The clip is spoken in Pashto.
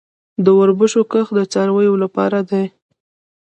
د وربشو کښت د څارویو لپاره دی